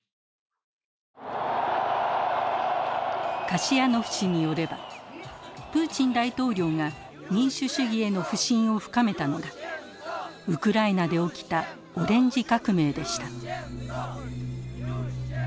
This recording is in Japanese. カシヤノフ氏によればプーチン大統領が民主主義への不信を深めたのがウクライナで起きたオレンジ革命でした。